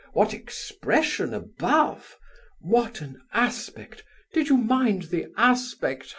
what expression above! what an aspect! did you mind the aspect?